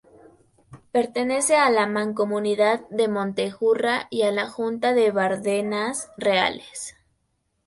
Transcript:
Pertenece a la Mancomunidad de Montejurra y a la Junta de Bardenas Reales.